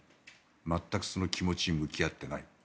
全くその気持ちに向き合っていない。